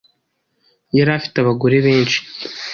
yari afite abagore benshi,